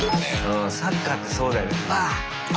うんサッカーってそうだよね。